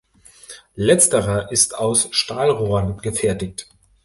Letzterer ist aus Stahlrohren gefertigt.